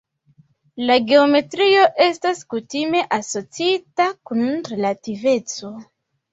La geometrio estas kutime asociita kun relativeco.